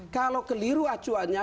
kalau keliru acuannya